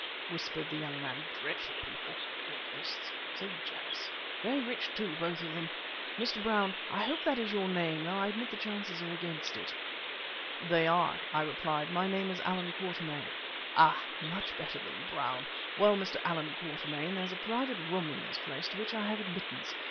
whispered the young man. "Dreadful people, orchidists, so jealous. Very rich, too, both of them. Mr. Brown I hope that is your name, though I admit the chances are against it." "They are," I replied, "my name is Allan Quatermain." "Ah! much better than Brown. Well, Mr. Allan Quatermain, there's a private room in this place to which I have admittance.